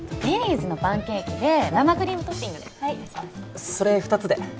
ベリーズのパンケーキで生クリームトッピングで。